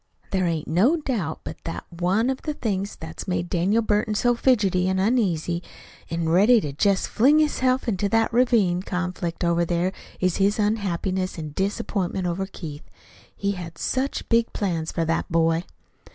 There ain't no doubt but that one of the things that's made Daniel Burton so fidgety an' uneasy, an' ready to jest fling hisself into that ravin' conflict over there is his unhappiness an' disappointment over Keith. He had such big plans for that boy!"